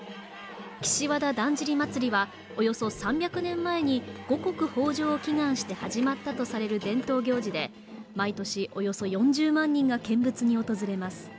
岸和田だんじり祭はおよそ３００年前に五穀豊穣を祈願して始まったとされる伝統行事で毎年およそ４０万人が見物に訪れます